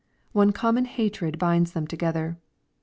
One common hatred bindt them together.